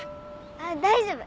あっ大丈夫！